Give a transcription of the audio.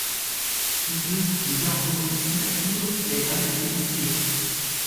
Nous deux, nous garderons ici la poudre, les balles et les mousquets.